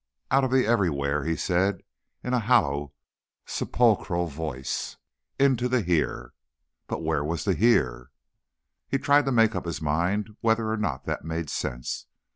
"Out of the everywhere," he said in a hollow, sepulchral voice, "into the here." But where was the here? He tried to make up his mind whether or not that made sense.